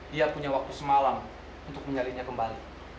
dia punya waktu semalam untuk menjalinnya kembali